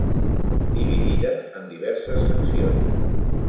Dividida en diverses seccions.